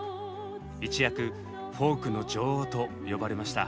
一躍「フォークの女王」と呼ばれました。